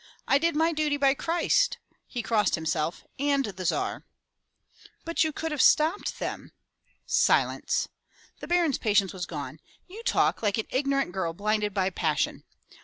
I did my duty by Christ/' he crossed himself, "and the Tsar/' "But you could have stopped them!'' "Silence!" The Baron's patience was gone. "You talk like an ignorant girl blinded by passion.